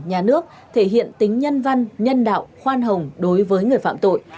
nhà nước thể hiện tính nhân văn nhân đạo khoan hồng đối với người phạm tội